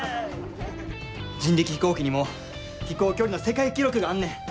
人力飛行機にも飛行距離の世界記録があんねん。